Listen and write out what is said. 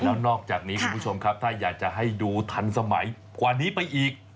แล้วนอกจากนี้คุณผู้ชมครับถ้าอยากจะให้ดูทันสมัยกว่านี้ไปอีก